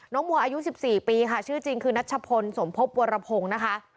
มัวอายุ๑๔ปีค่ะชื่อจริงคือนัชพลสมภพวรพงศ์นะคะ